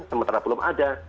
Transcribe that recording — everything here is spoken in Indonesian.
sementara belum ada